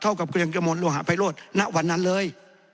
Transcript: เท่ากับเกรงกระโมนโลหะไพโลธณวันนั้นเลย